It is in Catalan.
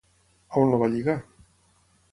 On el va lligar?